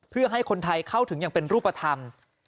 เพื่อให้คนไทยเข้าถึงอย่างเป็นรูปธรรม